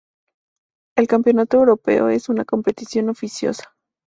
El Campeonato Europeo es una competición oficiosa.